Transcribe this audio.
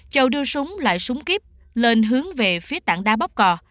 chầu đưa súng lại súng kiếp lên hướng về phía tảng đá bóp cò